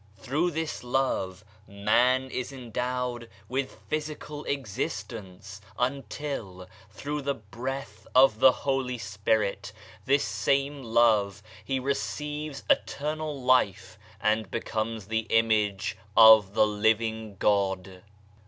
Through this love man is endowed with physical exist ence, until, through the Breath of the Holy Spirit this same love he receives eternal life and becomes the image of the Living God.